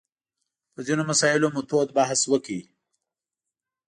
په ځینو مسایلو مو تود بحث وکړ.